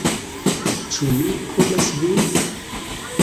Ĉu mi konas vin?